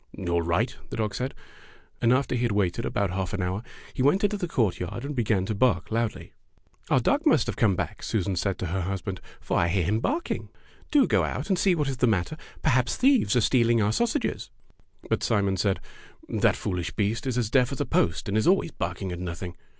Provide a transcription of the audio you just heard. "All right," the dog said. And after he had waited about half an hour he went into the courtyard and began to bark loudly. "Our dog must have come back," Susan said to her husband, "for I hear him bark 78 Fairy Tale Foxes ing. Do go out and see what is the mat ter. Perhaps thieves are stealing our sau sages." But Simon said: ''The foolish beast is as deaf as a post and is^lways barking at noth ing."